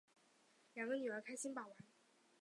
两个女儿开心把玩